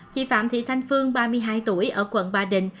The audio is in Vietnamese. chị phạm thị thanh phương ba mươi hai tuổi ở quận ba đình